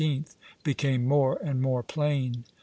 became more and more plain.